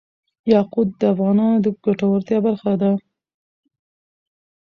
یاقوت د افغانانو د ګټورتیا برخه ده.